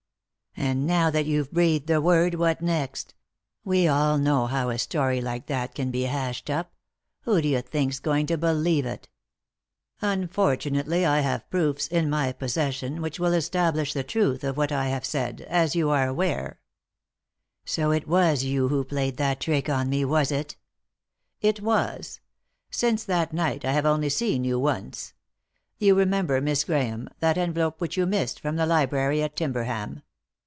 "And now that you've breathed a word, what next ? We all know how a story like that can be hashed up — who do you trunk's going to believe it ?" 3*5 3i 9 iii^d by Google THE INTERRUPTED KISS "Unfortunately I have proofs in my possession which will establish the truth of what I have said, as you are aware." "So it was you who played that trick on me, was it ?"" It was. Since that night I have only seen yoa once. You remember, Miss Grahame, that envelope which you missed from the library at Timberham